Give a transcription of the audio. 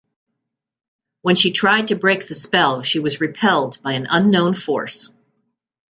When she tried to break the spell, she was repelled by an unknown force.